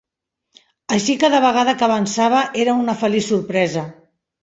Així cada vegada que avançava era una feliç sorpresa.